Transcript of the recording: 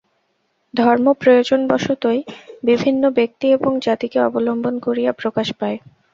ধর্ম প্রয়োজনবশতই বিভিন্ন ব্যক্তি এবং জাতিকে অবলম্বন করিয়া প্রকাশ পায়।